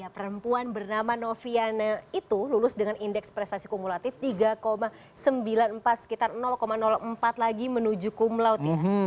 perempuan bernama noviana itu lulus dengan indeks prestasi kumulatif tiga sembilan puluh empat sekitar empat lagi menuju kumlaut ya